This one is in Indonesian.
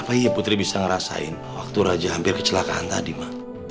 apa iya putri bisa ngerasain waktu raja hampir kecelakaan tadi mah